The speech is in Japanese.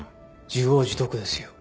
自業自得ですよ。